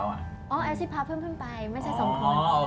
อ๋ออาจจะพาเพื่อนไปไม่ใช่สองคน